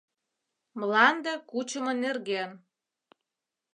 МЛАНДЕ КУЧЫМО НЕРГЕН